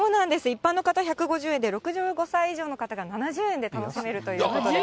一般の方が１５０円で、６５歳以上の方が７０円で楽しめるということで。